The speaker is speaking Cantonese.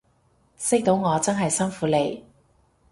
識到我真係辛苦你